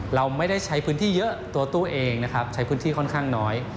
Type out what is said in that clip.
เราไม่ได้ใช้พื้นที่เยอะตัวตู้เองนะครับใช้พื้นที่ค่อนข้างน้อย